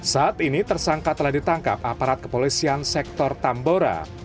saat ini tersangka telah ditangkap aparat kepolisian sektor tambora